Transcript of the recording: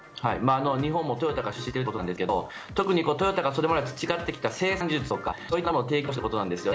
日本もトヨタが出資しているということですけど特にトヨタがそれまで培ってきた生産技術とかそういった色んなものを提供していくということなんですよね。